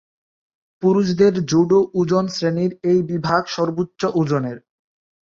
পুরুষদের জুডো ওজন শ্রেণীর এই বিভাগ সর্বোচ্চ ওজনের।